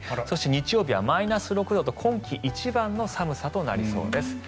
そして、日曜日はマイナス６度と今季一番の寒さとなりそうです。